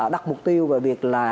đặt mục tiêu về việc là